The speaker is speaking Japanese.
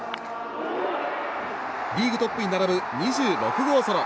リーグトップに並ぶ２６号ソロ。